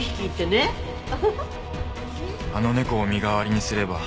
あの猫を身代わりにすれば。